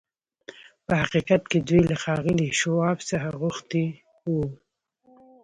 په حقيقت کې دوی له ښاغلي شواب څخه غوښتي وو.